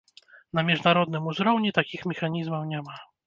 На міжнародным узроўні такіх механізмаў няма.